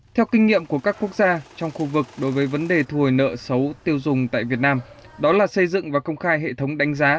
theo kinh nghiệm của các quốc gia trong khu vực đối với vấn đề thu hồi nợ xấu tiêu dùng tại việt nam đó là xây dựng và công khai hệ thống đánh giá